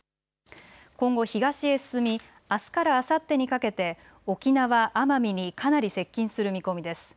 今後、東へ進みあすからあさってにかけて沖縄・奄美にかなり接近する見込みです。